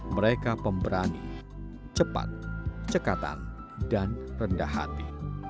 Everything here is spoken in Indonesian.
mereka pemberani cepat cekatan dan rendah hati